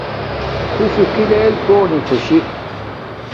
تُشُݸ کھݵل کݸنݵ خݸش؟